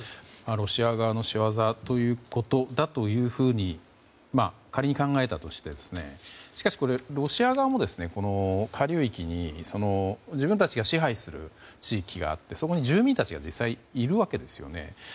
ロシア側の仕業だと仮に考えたとしてしかし、ロシア側もこの下流域に自分たちが支配する地域があってそこに住民たちが実際、いるわけですよね。